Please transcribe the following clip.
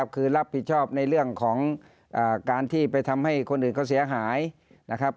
คือรับผิดชอบในเรื่องของการที่ไปทำให้คนอื่นเขาเสียหายนะครับ